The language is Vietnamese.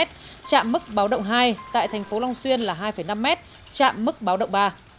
trạm mức báo động hai tại thành phố long xuyên là hai năm m chạm mức báo động ba